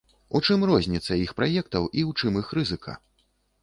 У чым розніца іх праектаў і ў чым іх рызыка?